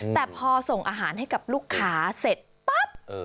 แต่พอส่งอาหารให้กับลูกค้าเสร็จปั๊บ